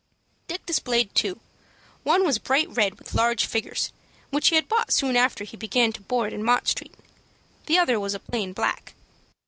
Dick displayed two. One was bright red with large figures, which he had bought soon after he began to board in Mott Street. The other was a plain black.